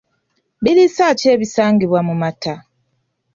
Biriisa ki ebisangibwa mu mata?